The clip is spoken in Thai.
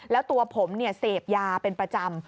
แล้วตัวผมเสพยาเป็นประจำ